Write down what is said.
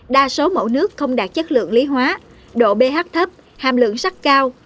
đa số mẫu nước không đạt chất lượng lý hóa độ ph thấp hàm lượng sắt cao